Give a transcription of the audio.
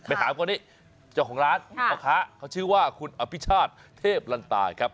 ถามคนนี้เจ้าของร้านพ่อค้าเขาชื่อว่าคุณอภิชาติเทพลันตาครับ